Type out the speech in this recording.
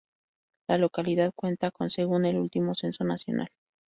La localidad cuenta con según el último censo nacional.